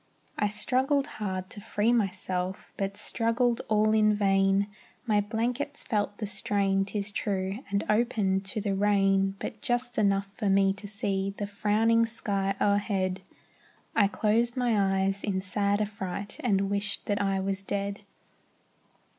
I struggled hard to free myself, But struggled all in vain; My blankets felt the strain, 'tis true, And opened to the rain, But just enough for me to see The frowning sky o'erhead; I closed my eyes, in sad affright, And wished that I was dead.